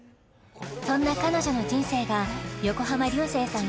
そんな彼女の人生が横浜流星さん